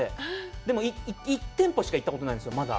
でも１店舗しか行ったことがないんですよ、まだ。